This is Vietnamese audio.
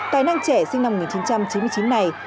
tài năng trẻ sinh năm một nghìn chín trăm chín mươi chín này